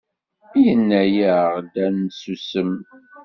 Yenna-aɣ-d ad nsusem.